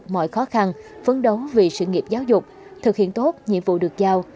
mọi khó khăn phấn đấu vì sự nghiệp giáo dục thực hiện tốt nhiệm vụ được giao